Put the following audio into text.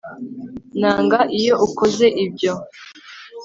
nanga iyo ukoze ibyo